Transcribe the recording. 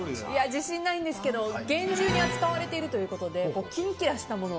自信ないんですけど厳重に扱われているということでキンキラしたもの？